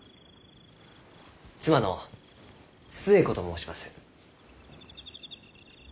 妻の寿恵子と申します。